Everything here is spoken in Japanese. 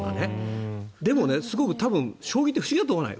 でもね、すごく将棋って不思議だと思わない？